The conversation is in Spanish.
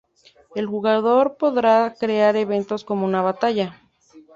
El jugador podrá crear eventos como una batalla.